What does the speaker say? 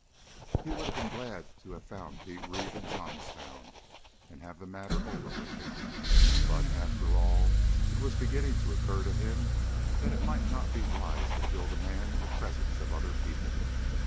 He would have been glad to have found Pete Reeve in Johnstown and have the matter over with. But, after all, it was beginning to occur to him that it might not be wise to kill the man in the presence of other people.